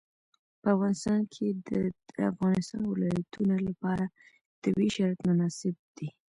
په افغانستان کې د د افغانستان ولايتونه لپاره طبیعي شرایط مناسب دي.